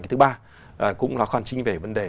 cái thứ ba cũng là quan trình về vấn đề